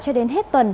cho đến hết tuần